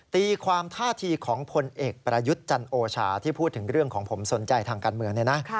ตีความท่าทีของพลเอกประยุทธ์จันโอชาที่พูดถึงเรื่องของผมสนใจทางการเมืองเนี่ยนะ